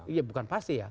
ya bukan pasti ya